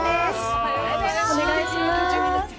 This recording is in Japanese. お願いします。